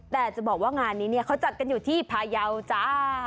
แต่จะบอกว่างานนี้เนี่ยเขาจัดกันอยู่ที่พายาวจ้า